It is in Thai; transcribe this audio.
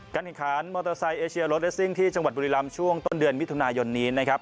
แข่งขันมอเตอร์ไซค์เอเชียรถเลสซิ่งที่จังหวัดบุรีรำช่วงต้นเดือนมิถุนายนนี้นะครับ